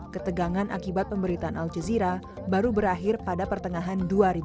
ketegangan akibat pemberitaan al jazeera baru berakhir pada pertengahan dua ribu dua puluh